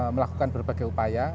melakukan berbagai upaya